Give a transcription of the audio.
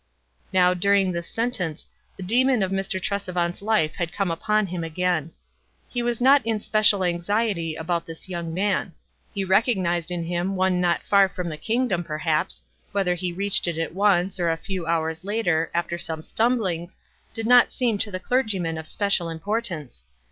Now during this sentence the demon of Mr. Tresevant's life had come upon him again. He was not in special anxiety about this young man ; he recognized in him one not far from the king dom perhaps — whether he reached it at once, WISE AND OTHERWISE. 203 or a few hours later, after some stumblings, did not seem to the clergyman of special importance.